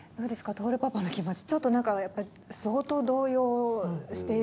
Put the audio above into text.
亨パパの気持ち。